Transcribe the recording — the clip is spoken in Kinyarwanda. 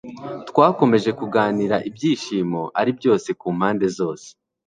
Twakomeje kuganira ibyishimo ari byose kumpande zose